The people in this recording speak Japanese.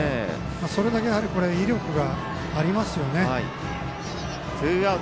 それだけ、威力がありますよね。